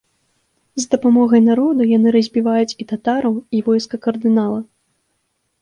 З дапамогай народу яны разбіваюць і татараў, і войска кардынала.